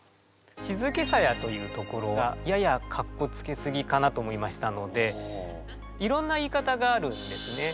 「静けさや」というところがややかっこつけすぎかなと思いましたのでいろんな言い方があるんですね。